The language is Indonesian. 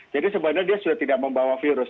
jadi sebenarnya dia sudah tidak membawa virus